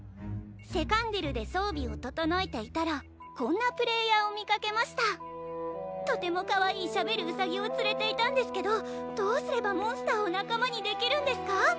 セカンディルで装備を整えていたらこんなプレイヤーを見かけましたとても可愛い喋る兎を連れていたんですけどどうすればモンスターを仲間にできるんですか？」。